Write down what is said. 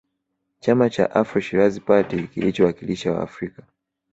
Chama cha AfroShirazi party kilichowakilisha Waafrika